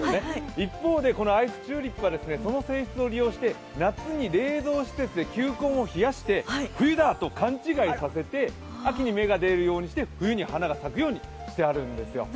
一方でこのアイスチューリップはその性質を利用して夏に冷蔵施設で球根を冷やして冬だと勘違いさせて秋に芽が出るようにして冬に花が咲くようにしてあるんですよ。